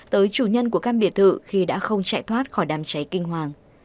tới chủ nhân của căn biệt thự khi đã không chạy thoát khỏi đám cháy kinh hoàng